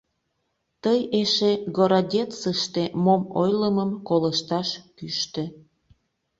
— Тый эше Городецыште мом ойлымым колышташ кӱштӧ.